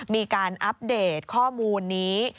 มีการอัปเดตข้อมูลนี้